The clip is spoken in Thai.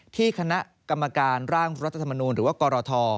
ที่คณะกรรมการร่างรัฐธรรมนูลหรือว่ากรท